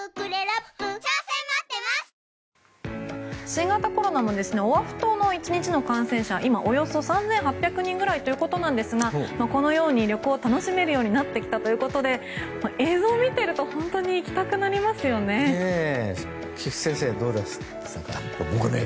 新型コロナのオアフ島の１日の感染者はおよそ３８００人くらいということなんですがこのように旅行を楽しめるようになってきたということで映像を見ていると本当に行きたくなりますよね。